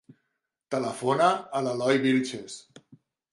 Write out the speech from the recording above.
Telefona a l'Eloi Vilches.